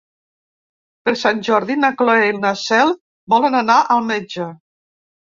Per Sant Jordi na Cloè i na Cel volen anar al metge.